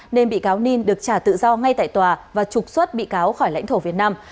nên bị cáo ninh được trả tự do ngay tại tòa và trục xuất bị cáo khỏi lãnh thổ việt nam